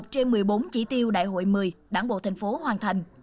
một mươi một trên một mươi bốn chỉ tiêu đại hội một mươi đảng bộ thành phố hoàn thành